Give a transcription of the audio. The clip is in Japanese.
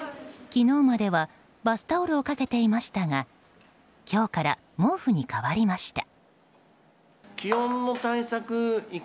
昨日まではバスタオルをかけていましたが今日から毛布に変わりました。